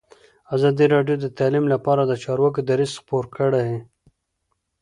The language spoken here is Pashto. ازادي راډیو د تعلیم لپاره د چارواکو دریځ خپور کړی.